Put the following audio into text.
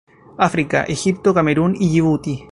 África: Egipto, Camerún y Yibuti.